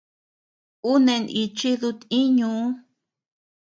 Un neʼë nichi dut-íñuu.